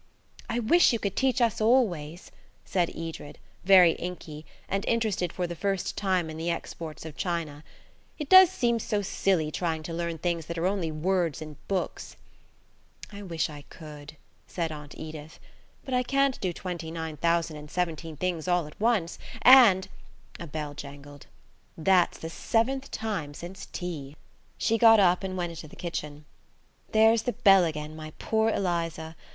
"I wish you could teach us always," said Edred, very inky, and interested for the first time in the exports of China; "it does seem so silly trying to learn things that are only words in books." "I wish I could," said Aunt Edith, "but I can't do twenty nine thousand and seventeen things all at once, and–" A bell jangled. "That's the seventh time since tea." She got up and went into the kitchen. "There's the bell again, my poor Eliza.